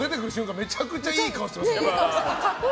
めちゃくちゃいい顔してましたよ。